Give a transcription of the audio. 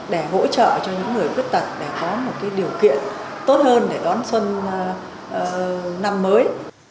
để hỗ trợ cho những người khuyết tật để có một điều kiện tốt hơn để đón xuân năm mới